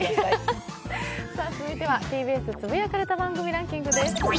続いては「ＴＢＳつぶやかれた番組ランキング」です。